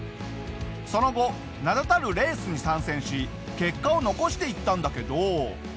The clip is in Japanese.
その後名だたるレースに参戦し結果を残していったんだけど。